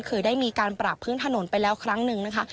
คือได้มีการปราบพื้นถนนไปแล้วครั้งหนึ่งนะคะ